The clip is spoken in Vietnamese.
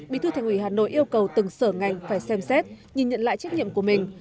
bí thư thành ủy hà nội yêu cầu từng sở ngành phải xem xét nhìn nhận lại trách nhiệm của mình